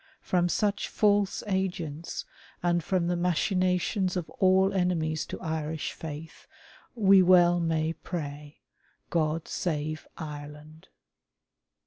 From such false agents and fi om the machinations of all enemies to Irish Faith, we well may pray, God Save Ireland